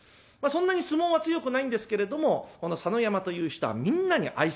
そんなに相撲は強くないんですけれどもこの佐野山という人はみんなに愛される人。